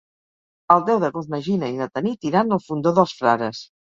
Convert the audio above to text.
El deu d'agost na Gina i na Tanit iran al Fondó dels Frares.